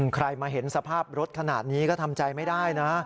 ใครมาเห็นสภาพรถขนาดนี้ก็ทำใจไม่ได้นะ